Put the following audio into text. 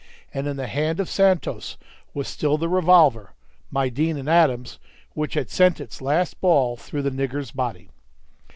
And in the hand of Santos was still the revolver (my Deane and Adams) which had sent its last ball through the nigger's body.